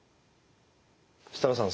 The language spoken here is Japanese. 設樂さん